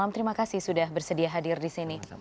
terima kasih sudah bersedia hadir di sini